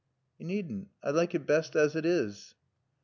"You needn't. I like it best as it is."